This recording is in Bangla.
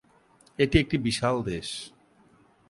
এটি একটি বিশাল দেশ।